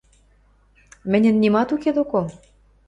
– Мӹньӹн нимат уке доко.